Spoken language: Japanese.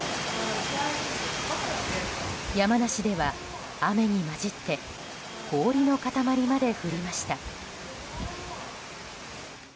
山梨では雨に交じって氷の塊まで降りました。